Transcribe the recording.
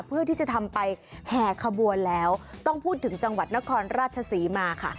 เพื่อที่จะทำไปแห่ขบวนแล้วต้องพูดถึงจังหวัดนครราชศรีมาค่ะ